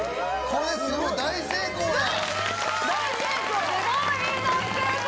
これすごい大成功や！